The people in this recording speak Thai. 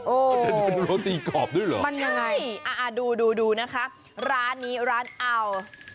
โอ้โฮใช่ดูนะคะร้านนี้ร้านอาว